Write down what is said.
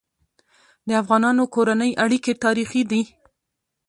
د افغانانو کورنی اړيکي تاریخي دي.